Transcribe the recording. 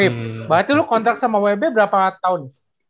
berarti lu kontrak sama wb berapa tahun